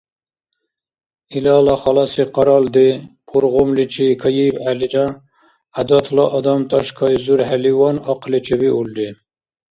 Илала халаси къаралди, пургъумличи кайибхӀелира, гӀядатла адам тӀашкайзурхӀеливан, ахъли чебиулри.